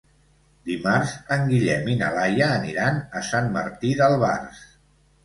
Dimarts en Guillem i na Laia aniran a Sant Martí d'Albars.